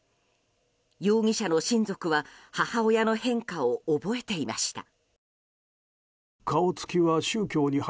容疑者の親族は母親の変化を覚えていました。